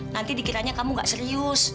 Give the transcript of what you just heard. nanti dikiranya kamu gak serius